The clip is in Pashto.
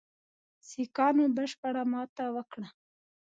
سیکهانو بشپړه ماته وکړه.